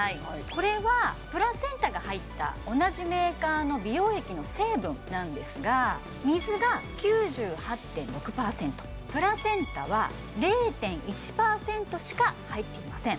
これはプラセンタが入った同じメーカーの美容液の成分なんですが水が９８．６％プラセンタは０．１％しか入っていません